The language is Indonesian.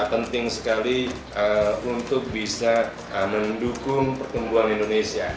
penting sekali untuk bisa mendukung pertumbuhan indonesia